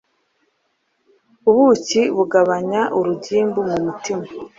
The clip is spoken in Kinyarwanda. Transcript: ubuki bugabanya urugimbu mu mutima